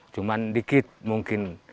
cuma dikit mungkin